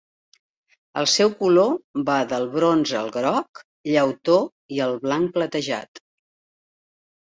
El seu color va del bronze al groc llautó i al blanc platejat.